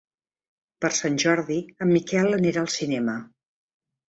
Per Sant Jordi en Miquel anirà al cinema.